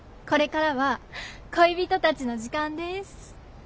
これからは恋人たちの時間です。